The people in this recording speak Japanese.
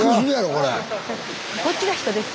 こっちが人です。